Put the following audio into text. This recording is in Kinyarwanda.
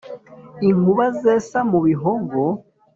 Inkuba zesa mu Bihogo,